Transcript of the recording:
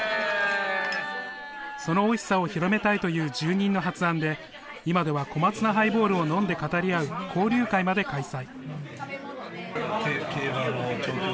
そのおいしさを広めたいという住人の発案で、今では小松菜ハイボールを飲んで語り合う交流会まで開催。